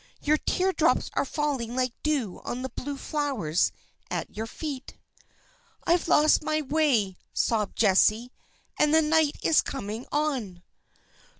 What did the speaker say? "Your tear drops are falling like dew on the blue flowers at your feet!" "I've lost my way," sobbed Jessie, "and the night is coming on."